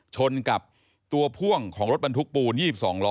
ชนกับตัวพ่วงของรถบรรทุกปูน๒๒ล้อ